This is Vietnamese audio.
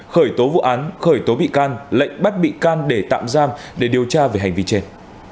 khởi tố vụ án khởi tố bị can lệnh bắt bị can để tạm giam để điều tra về hành vi trên